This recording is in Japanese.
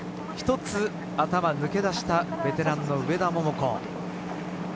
一つ頭抜けだしたベテランの上田桃子。